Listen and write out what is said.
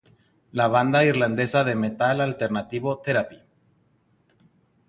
La banda irlandesa de metal alternativo Therapy?